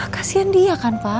kasian dia kan pak